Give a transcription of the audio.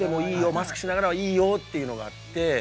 マスクしながらはいいよっていうのがあって。